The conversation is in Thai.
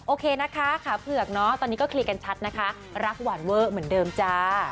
โอเคนะคะขาเผือกเนอะตอนนี้ก็เคลียร์กันชัดนะคะรักหวานเวอร์เหมือนเดิมจ้า